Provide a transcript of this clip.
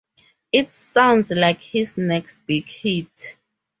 It sounds like his next big hit.